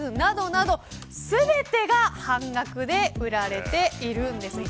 用品、家具などなど全てが半額で売られているんです。